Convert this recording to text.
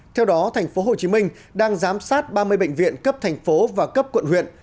theo đó tp hcm đang giám sát ba mươi bệnh viện cấp thành phố và cấp quận huyện